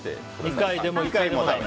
２回でも１回でもダメ。